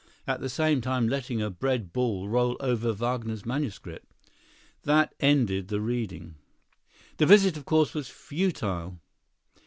at the same time letting a bread ball roll over Wagner's manuscript. That ended the reading." The visit of course was futile.